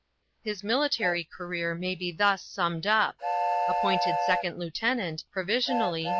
His military career may be thus summed up Appointed 2nd lieutenant, provisionally, No.